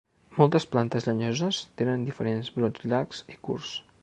Moltes plantes llenyoses tenen diferents brots llargs i curts.